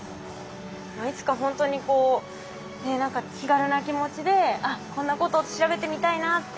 いつかほんとにこう何か気軽な気持ちであっこんなことを調べてみたいなっていう。